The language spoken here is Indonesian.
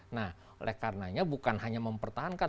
nah oleh karenanya bukan hanya mempertahankan